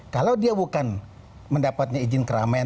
kalau dia bukan mendapatnya izin keramaian